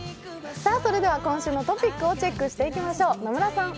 それでは今週のトピックをチェックしていきましょう。